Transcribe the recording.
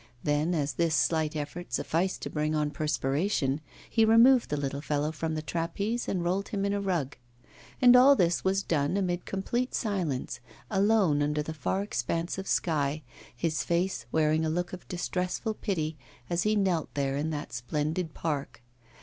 Then, as this slight effort sufficed to bring on perspiration, he removed the little fellow from the trapeze and rolled him in a rug. And all this was done amid complete silence, alone under the far expanse of sky, his face wearing a look of distressful pity as he knelt there in that splendid park.